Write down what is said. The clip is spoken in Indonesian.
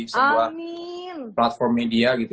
sebuah platform media gitu